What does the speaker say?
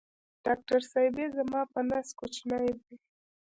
ډاکټر صېبې زما په نس کوچینی دی